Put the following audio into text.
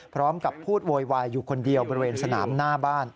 พร้อมกับพูดโวยวายอยู่คนเดียวบริเวณสนามหน้าบ้าน